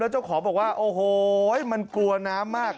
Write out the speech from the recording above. เจ้าของบอกว่าโอ้โหมันกลัวน้ำมาก